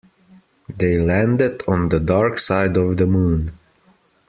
They landed on the dark side of the moon.